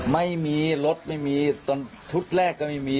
ไม่มีรถไม่มีทุกข์แรกก็ไม่มี